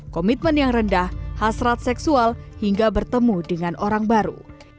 komitmen yang rendah hasrat seksual hingga bertemu dengan orang baru